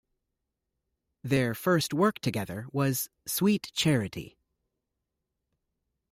Their first work together was "Sweet Charity".